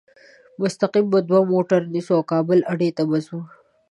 مستقیم به دوه موټره نیسو او د کابل اډې ته به ځو.